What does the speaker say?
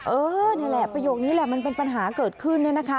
เออนี่แหละประโยคนี้แหละมันเป็นปัญหาเกิดขึ้นเนี่ยนะคะ